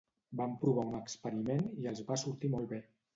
Van provar un experiment i els va sortir molt bé.